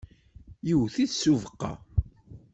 yewwet-it s ubeqqa.